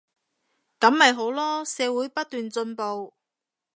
噉咪好囉，社會不斷進步